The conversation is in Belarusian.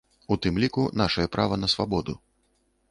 У тым ліку, нашае права на свабоду.